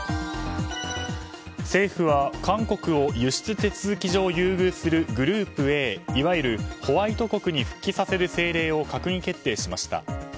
政府は韓国を輸出手続き上優遇するグループＡいわゆるホワイト国に復帰させる政令を閣議決定しました。